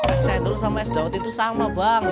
es cendol sama es dawet itu sama banget